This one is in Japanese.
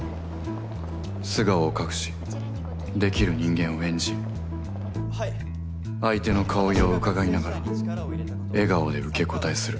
素顔を隠し出来る人間を演じ相手の顔色をうかがいながら笑顔で受け答えする。